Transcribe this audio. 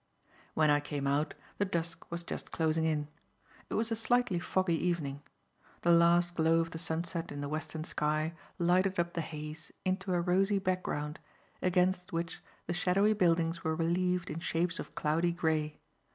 When I came out, the dusk was just closing in. It was a slightly foggy evening. The last glow of the sunset in the western sky lighted up the haze into a rosy back ground, against which the shadowy buildings were relieved in shapes of cloudy grey.